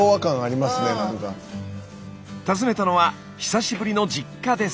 訪ねたのは久しぶりの実家です。